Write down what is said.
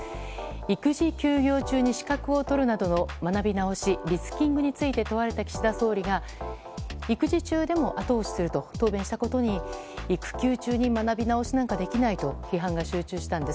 育児休業中に資格を取るなどの学び直し、リスキリングについて問われた岸田総理が育児中でも後押しすると答弁したことに育休中に学び直しなんかできないと批判が集中したんです。